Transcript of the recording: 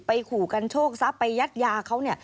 ขู่กันโชคทรัพย์ไปยัดยาเขา